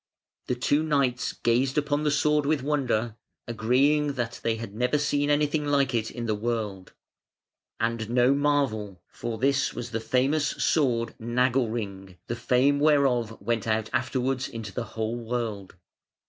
The two knights gazed upon the sword with wonder, agreeing that they had never seen anything like it in the world. And no marvel, for this was the famous sword Nagelring, the fame whereof went out afterwards into the whole world.